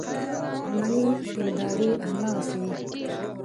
عملي دینداري هماغسې وي.